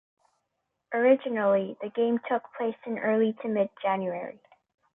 Originally, the game took place in early to mid-January.